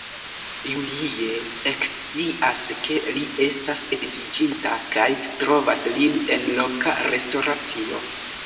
Julie ekscias ke li estas edziĝinta kaj trovas lin en loka restoracio.